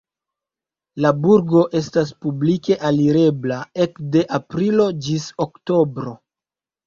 La burgo estas publike alirebla ekde aprilo ĝis oktobro.